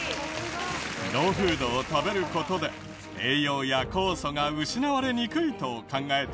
ローフードを食べる事で栄養や酵素が失われにくいと考えている人も多いそうで。